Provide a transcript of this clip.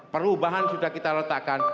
perubahan sudah kita letakkan